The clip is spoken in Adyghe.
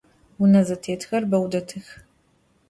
Vune zetêtxer beu detıx.